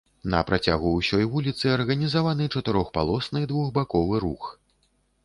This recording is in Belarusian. На працягу ўсёй вуліцы арганізаваны чатырохпалосны двухбаковы рух.